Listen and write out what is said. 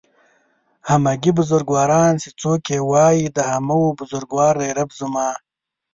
همگي بزرگواران چې څوک يې وايي تر همه و بزرگوار دئ رب زما